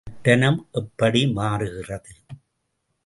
பட்டணம் எப்படி மாறுகிறது?